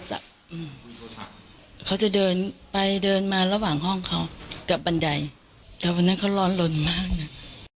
อ้าวพบศพอ้าวเป็นศพน้องเอ๋ยตกใจมากนะคะคนที่อยู่คอนโดมิเนียมเดียวกันบอกแบบนี้